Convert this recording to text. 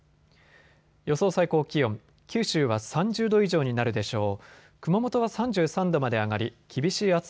予想最高気温、九州は３０度以上になるでしょう。